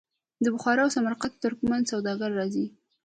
د بخارا او سمرقند ترکمن سوداګر راځي.